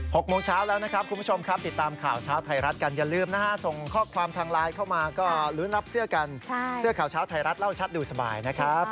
๖โมงเช้าแล้วนะครับคุณผู้ชมครับติดตามข่าวเช้าไทยรัฐกันอย่าลืมนะฮะส่งข้อความทางไลน์เข้ามาก็ลุ้นรับเสื้อกันใช่เสื้อข่าวเช้าไทยรัฐเล่าชัดดูสบายนะครับ